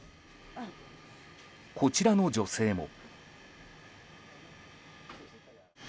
こちらの女性も。